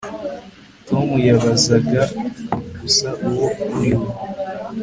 Tom yabazaga gusa uwo uriwe